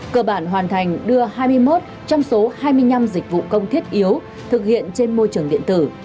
cơ bản hoàn thành đưa hai mươi một trong số hai mươi năm dịch vụ công thiết yếu thực hiện trên môi trường điện tử